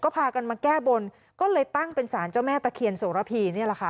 พากันมาแก้บนก็เลยตั้งเป็นสารเจ้าแม่ตะเคียนโสระพีนี่แหละค่ะ